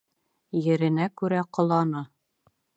Еренә күрә ҡоланы